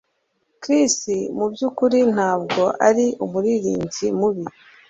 Chris mubyukuri ntabwo ari umuririmbyi mubi